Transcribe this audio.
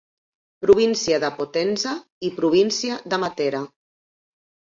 Província de Potenza i Província de Matera.